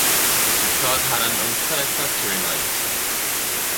Mr Tod had had an unsatisfactory night.